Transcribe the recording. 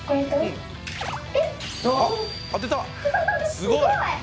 すごい。